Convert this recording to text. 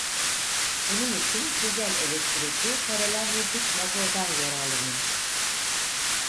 Bunun için dizel-elektrikli paralel hibrid motordan yararlanılır.